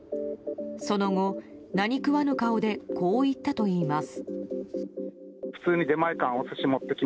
その後、何食わぬ顔でこう言ったといいます。